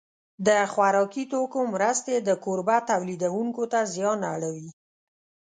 د خوراکي توکو مرستې د کوربه تولیدوونکو ته زیان اړوي.